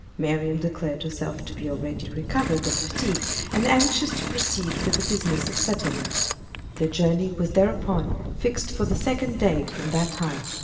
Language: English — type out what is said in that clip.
Marian declared herself to be already recovered of fatigue, and anxious to proceed with the business of settlement. Their journey was thereupon fixed for the second day from that time.